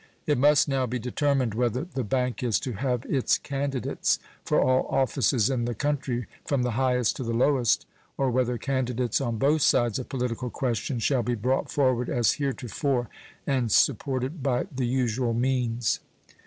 It must now be determined whether the bank is to have its candidates for all offices in the country, from the highest to the lowest, or whether candidates on both sides of political questions shall be brought forward as heretofore and supported by the usual means.